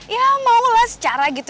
ya maulah secara gitu